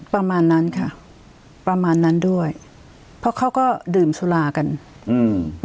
ประมาณนั้นค่ะประมาณนั้นด้วยเพราะเขาก็ดื่มสุรากันอืม